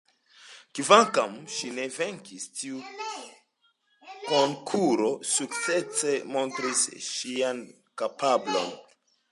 Kvankam ŝi ne venkis, tiu konkuro sukcese montris ŝian kapablon.